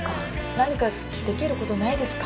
何かできることないですか？